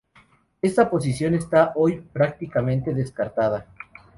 Esta posición está hoy prácticamente descartada.